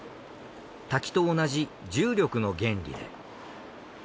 滝と同じ重力の原理で。